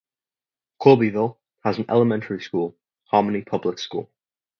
Corbyville has an elementary school, Harmony Public School.